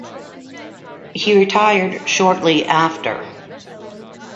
He retired shortly after.